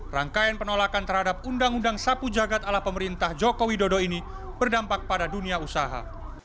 rangkaian penolakan terhadap undang undang sapu jagat ala pemerintah joko widodo ini berdampak pada dunia usaha